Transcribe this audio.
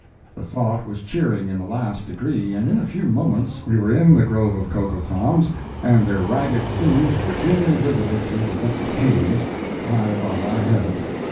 The thought was cheering in the last degree, and in a few moments we were in the grove of cocoa palms, and their ragged plumes were dimly visible through the wet haze, high above our heads.